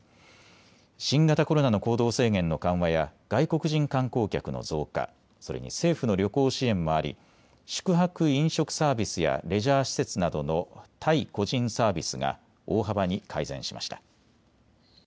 新型コロナの行動制限の緩和や外国人観光客の増加、それに政府の旅行支援もあり宿泊・飲食サービスやレジャー施設などの対個人サービスが大幅に改善しました。